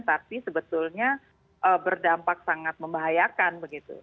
tapi sebetulnya berdampak sangat membahayakan begitu